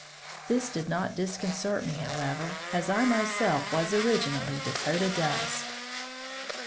This did not disconcert me, however, as I myself was originally Dakota dust!